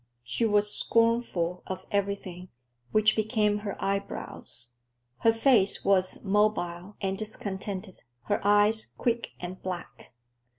She was scornful of everything,—which became her eyebrows. Her face was mobile and discontented, her eyes quick and black.